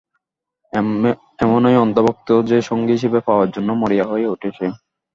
এমনই অন্ধভক্ত যে সঙ্গী হিসেবে পাওয়ার জন্য মরিয়া হয়ে ওঠে সে।